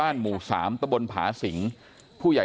กลุ่มตัวเชียงใหม่